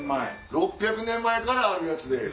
６００年前からあるやつで。